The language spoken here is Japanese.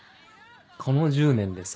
この１０年でさ。